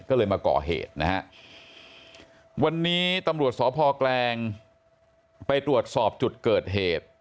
ก็เลยมาก่อเหตุนะฮะวันนี้ตำรวจสพแกลงไปตรวจสอบจุดเกิดเหตุ